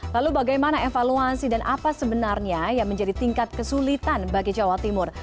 lalu bagaimana evaluasi dan apa sebenarnya yang menjadi tingkat kesulitan bagi jawa timur